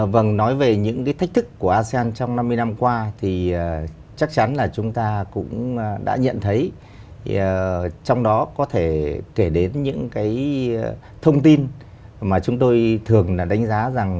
vâng nói về những cái thách thức của asean trong năm mươi năm qua thì chắc chắn là chúng ta cũng đã nhận thấy trong đó có thể kể đến những cái thông tin mà chúng tôi thường đánh giá rằng